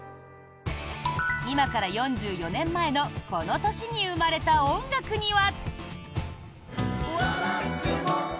今から４４年前のこの年に生まれた音楽には。